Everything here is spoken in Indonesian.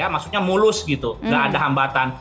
maksudnya mulus gitu nggak ada hambatan